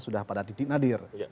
sudah pada titik nadir